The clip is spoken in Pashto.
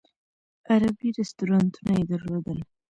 عربي رستورانونه یې درلودل.